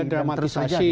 jadi ada dramatisasi yang